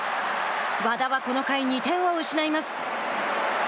和田はこの回、２点を失います。